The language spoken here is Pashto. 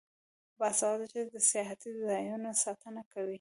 باسواده ښځې د سیاحتي ځایونو ساتنه کوي.